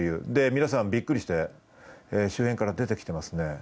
皆さんびっくりして出てきていますね。